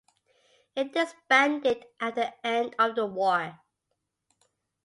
It disbanded after the end of the war.